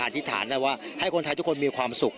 ธิษฐานได้ว่าให้คนไทยทุกคนมีความสุข